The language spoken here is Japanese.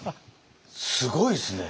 すごいですね。